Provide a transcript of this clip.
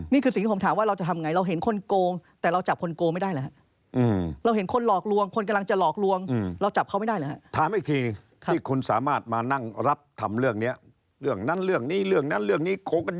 นี่คือสิ่งที่ผมถามว่าเราจะทำยังไง